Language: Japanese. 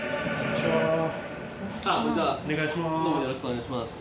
お願いします。